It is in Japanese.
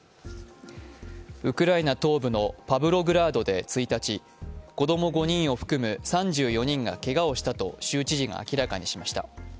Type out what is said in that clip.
ウクライナ東部のパブログラードで１日、子供５人を含む３４人がけがをしたと州知事が明らかにしました。